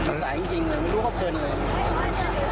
อุ้ยตัดสายจริงเลยไม่รู้ว่าเขาเผ็นเลย